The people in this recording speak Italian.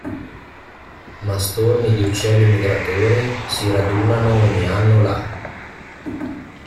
Ma stormi di uccelli migratori si radunano ogni anno là.